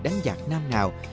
đánh giặc nam nào